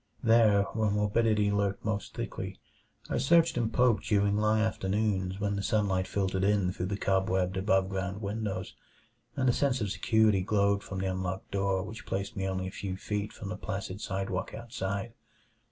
There, where morbidity lurked most thickly, I searched and poked during long afternoons when the sunlight filtered in through the cobwebbed above ground windows, and a sense of security glowed from the unlocked door which placed me only a few feet from the placid sidewalk outside.